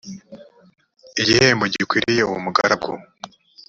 igihembo gikwiriye uwo mugaragu